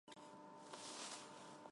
Նա ունի երկու դուստր մյուս ամուսնությունից։